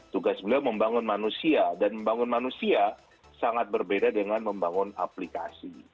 tugas beliau membangun manusia dan membangun manusia sangat berbeda dengan membangun aplikasi